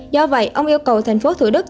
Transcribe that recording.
do vậy ông yêu cầu thành phố thủ đức